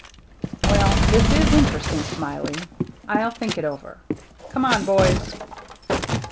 " Well, this is interesting, Smiley. I'll think it over. Come on, boys."